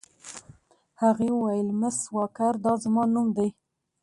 هغې وویل: مس واکر، دا زما نوم دی.